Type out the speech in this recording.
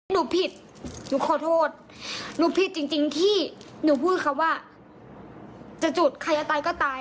หนูผิดหนูขอโทษหนูผิดจริงที่หนูพูดคำว่าจะจุดใครจะตายก็ตาย